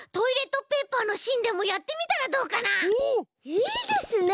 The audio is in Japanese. いいですね。